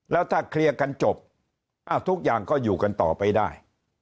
แล้วถ้าเคลียร์กันจบทุกอย่างก็อยู่กันต่อไปได้